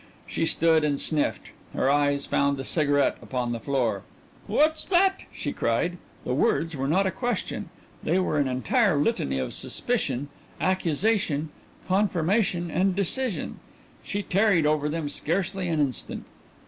She stood and sniffed. Her eyes found the cigarette upon the floor. "What's that?" she cried. The words were not a question they were an entire litany of suspicion, accusation, confirmation, and decision. She tarried over them scarcely an instant.